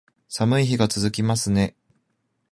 寒い日が続きますね